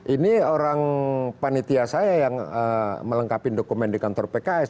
ini orang panitia saya yang melengkapi dokumen di kantor pks